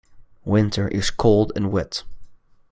Winter is cold and wet.